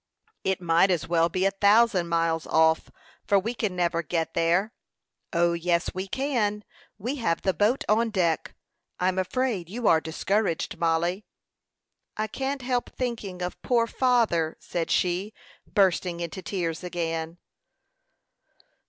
"It might as well be a thousand miles off; for we can never get there." "O, yes, we can. We have the boat on deck. I'm afraid you are discouraged, Mollie." "I can't help thinking of poor father," said she, bursting into tears again.